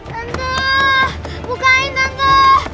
tante bukain tante